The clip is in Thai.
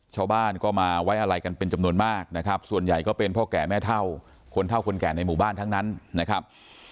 ชาวบ้านก็มาไว้อะไรกันเป็นจำนวนมากนะครับส่วนใหญ่ก็เป็นพ่อแก่แม่เท่าคนเท่าคนแก่ในหมู่บ้านทั้งนั้นนะครับ